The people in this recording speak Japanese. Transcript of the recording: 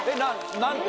何て？